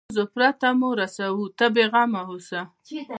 له ستونزو پرته مو رسوو ته بیغمه اوسه.